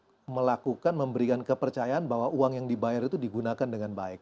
untuk melakukan memberikan kepercayaan bahwa uang yang dibayar itu digunakan dengan baik